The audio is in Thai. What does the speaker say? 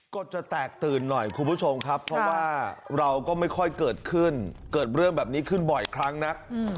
ก็จะแตกตื่นหน่อยคุณผู้ชมครับเพราะว่าเราก็ไม่ค่อยเกิดขึ้นเกิดเรื่องแบบนี้ขึ้นบ่อยครั้งนัก